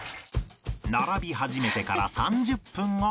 並び始めてから３０分が経過